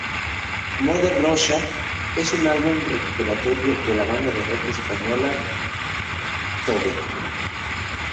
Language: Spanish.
Mother Russia es un álbum recopilatorio de la banda de rock española Dover.